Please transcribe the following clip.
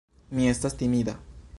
Mi estas timida.